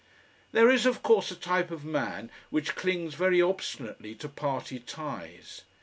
There is, of course, a type of man which clings very obstinately to party ties.